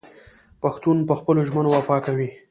پښتون په خپلو ژمنو وفا کوي.